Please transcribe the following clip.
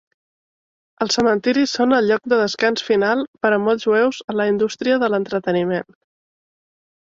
Els cementiris són el lloc de descans final per a molts jueus en la indústria de l'entreteniment.